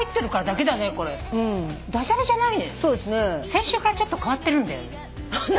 先週からちょっと変わってるんだよね。